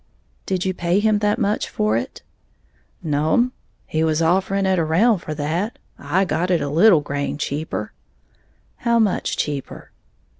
"Did you pay him that much for it?" "No'm, he was offering it around for that, I got it a little grain cheaper." "How much cheaper?"